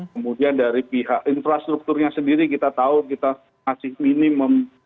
kemudian dari pihak infrastrukturnya sendiri kita tahu kita masih minim